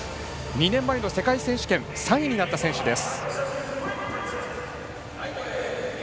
２年前の世界選手権３位になった選手です。